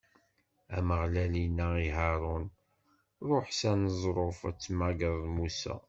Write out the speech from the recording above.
Ameɣlal inna i Haṛun: Ṛuḥ s aneẓruf ad temmagreḍ Musa.